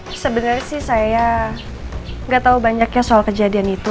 ya sebenarnya sih saya nggak tahu banyaknya soal kejadian itu